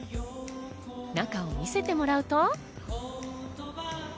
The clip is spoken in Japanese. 中を見せてもらうと。